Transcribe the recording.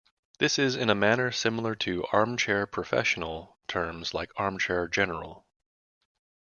This is in a manner similar to "armchair "professional" terms like armchair general.